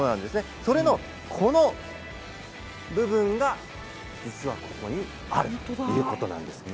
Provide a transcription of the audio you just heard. それのこの部分がこの倉庫にあるということです。